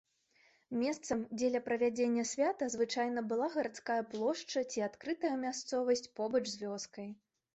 Месцам дзеля правядзення свята звычайна была гарадская плошча ці адкрытая мясцовасць побач з вёскай.